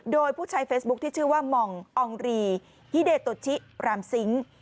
โดยผู้ใช้เฟซบุ๊คที่ชื่อว่าหม่องอองรีฮิเดโตชิรามซิงค์